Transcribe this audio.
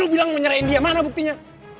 lo bilang mau nyerahin dia mana buktinya